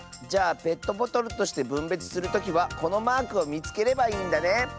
じゃあペットボトルとしてぶんべつするときはこのマークをみつければいいんだね。